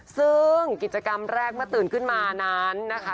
ซึ่งกิจกรรมแรกเมื่อตื่นขึ้นมานั้นนะคะ